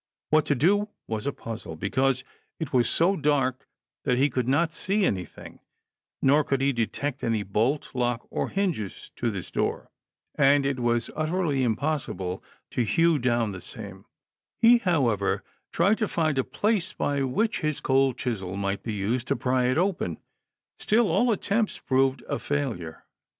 What to do was a puzzle, because it was so dark that he could not see anything, nor could he detect any bolt, lock or hinges to this door, and it was utterly impossible to hew down the same ; he however tried to find a place by which his cold chisel might be used to pry it open ; still all attempts proved a failure.